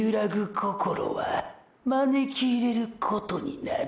心は招き入れることになるよ？